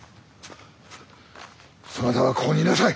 そなたはここにいなさい！